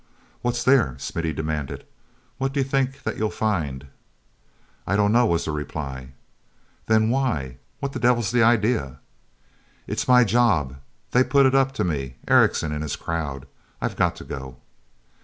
"What's there?" Smithy demanded. "What do you think that you'll find?" "I don't know," was the reply. "Then why—what the devil's the idea?" "It's my job. They put it up to me, Erickson and his crowd. I've got to go."